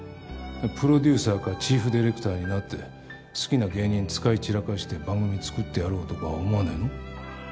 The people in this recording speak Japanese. プロデューサーかチーフディレクターになって好きな芸人使い散らかして番組作ってやろうとか思わねえの？